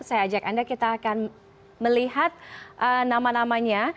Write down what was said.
saya ajak anda kita akan melihat nama namanya